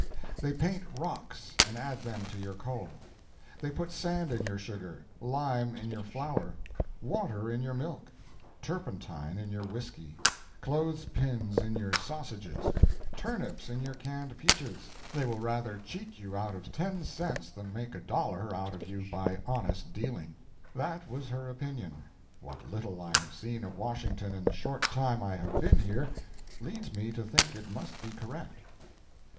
They paint rocks and add them to your coal; they put sand in your sugar; lime in your flour; water in your milk; turpentine in your whisky; clothespins in your sausages; turnips in your canned peaches; they will rather cheat you out of ten cents than make a dollar out of you by honest dealing. That was her opinion. What little I have seen of Washington in the short time I have been here, leads me to think it must be correct.